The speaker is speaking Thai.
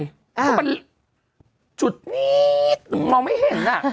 ก็เป็นจุดนิดมองไม่เห็นอ่ะ